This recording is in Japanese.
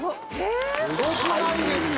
すごくないですか？